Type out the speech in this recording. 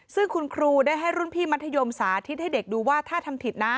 ซึ่งคุณครูได้ให้รุ่นพี่มัธยมสาธิตให้เด็กดูว่าถ้าทำผิดนะ